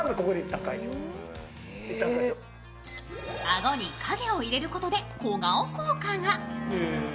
あごに影を入れることで小顔効果が。